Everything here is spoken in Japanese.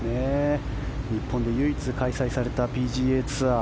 日本で唯一開催されたＰＧＡツアー。